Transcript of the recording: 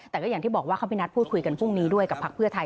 แต่ก็อย่างที่บอกว่าเขาไปนัดพูดคุยกันพรุ่งนี้ด้วยกับพักเพื่อไทย